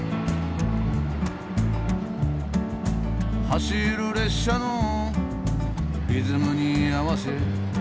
「走る列車のリズムにあわせ」